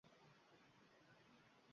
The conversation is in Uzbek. Yechimlar haqida